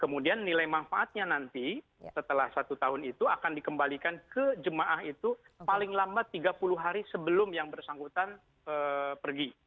kemudian nilai manfaatnya nanti setelah satu tahun itu akan dikembalikan ke jemaah itu paling lambat tiga puluh hari sebelum yang bersangkutan pergi